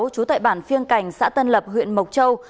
chú tại bản phiêng cảnh xã tân lập huyện mộc châu